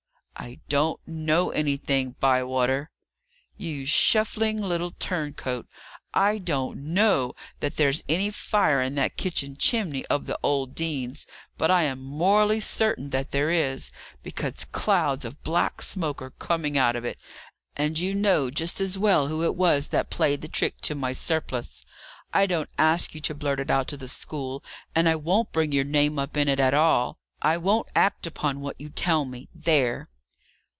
"I don't know anything, Bywater." "You shuffling little turncoat! I don't know that there's any fire in that kitchen chimney of the old dean's, but I am morally certain that there is, because clouds of black smoke are coming out of it. And you know just as well who it was that played the trick to my surplice. I don't ask you to blurt it out to the school, and I won't bring your name up in it at all; I won't act upon what you tell me. There!"